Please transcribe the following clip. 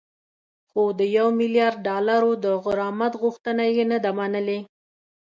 خو د یو میلیارد ډالرو د غرامت غوښتنه یې نه ده منلې